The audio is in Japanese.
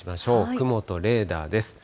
雲とレーダーです。